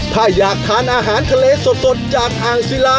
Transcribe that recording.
ถ้าอยากทานอาหารทะเลสดจากอ่างศิลา